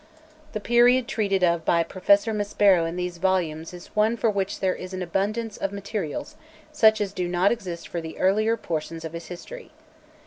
The period treated of by Professor Maspero in these volumes is one for which there is an abundance of materials sucli as do not exist for the earlier portions of his history.